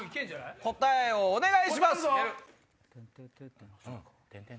答えをお願いします。